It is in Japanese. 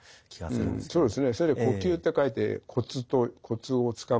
うんそうですね。